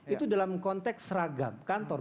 itu dalam konteks seragam kantor